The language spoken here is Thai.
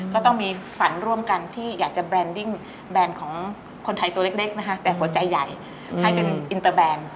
ก็ต้องมีฝันร่วมกันที่อยากจะแบรนดิ้งแบรนด์ของคนไทยตัวเล็กนะคะแต่หัวใจใหญ่ให้เป็นอินเตอร์แบรนด์